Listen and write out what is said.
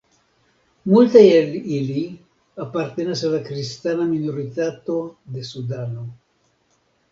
Multaj el ili apartenas al la kristana minoritato de Sudano.